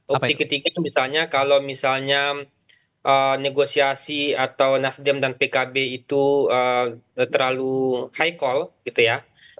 opsi ketiga misalnya kalau misalnya negosiasi atau nasdem dan pkb itu terlalu high call gitu ya